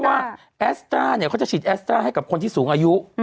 เพราะว่าแอสตร้าเขาจะฉีดแอสตร้าให้กับคนที่สูงอายุ